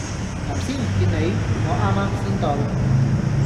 頭先唔見你？我啱啱先到